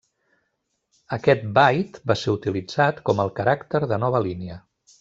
Aquest byte va ser utilitzat com el caràcter de nova línia.